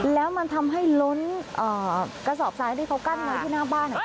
แล้วมันทำให้ล้นกระสอบซ้ายที่เขากั้นไว้ที่หน้าบ้าน